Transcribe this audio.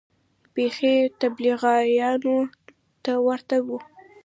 بيخي تبليغيانو ته ورته و.